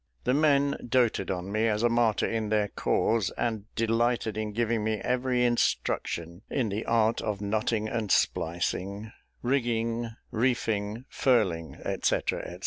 The men doated on me as a martyr in their cause, and delighted in giving me every instruction in the art of knotting and splicing, rigging, reefing, furling, &c, &c.